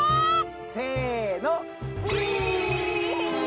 せの。